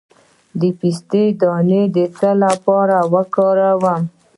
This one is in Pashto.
د پسته دانه د څه لپاره وکاروم؟